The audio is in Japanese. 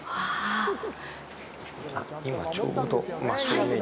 今ちょうど真正面に。